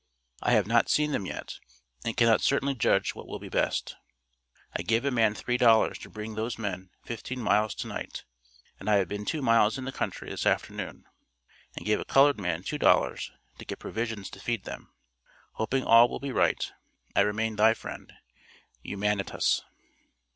I have not seen them yet, and cannot certainly judge what will be best. I gave a man 3 dollars to bring those men 15 miles to night, and I have been two miles in the country this afternoon, and gave a colored man 2 dollars to get provisions to feed them. Hoping all will be right, I remain thy friend, HUMANITAS.